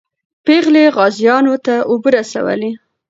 پېغلې غازیانو ته اوبه رسولې.